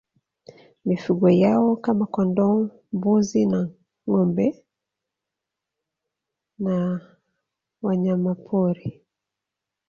Mifugo yao kama kondoo mbuzi na ngoâmbe na wanyamapori